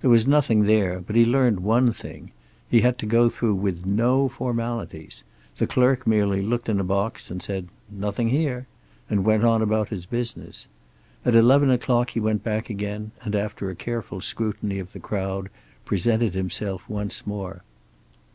There was nothing there, but he learned one thing. He had to go through with no formalities. The clerk merely looked in a box, said "Nothing here," and went on about his business. At eleven o'clock he went back again, and after a careful scrutiny of the crowd presented himself once more.